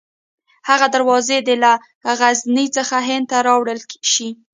هغه دروازې دې له غزني څخه هند ته راوړل شي.